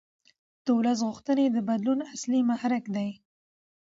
د ولس غوښتنې د بدلون اصلي محرک دي